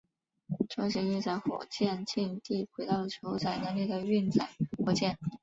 中型运载火箭近地轨道酬载能力的运载火箭。